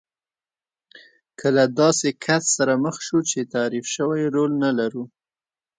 که له داسې کس سره مخ شو چې تعریف شوی رول نه لرو.